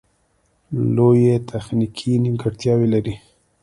لویې تخنیکې نیمګړتیاوې لري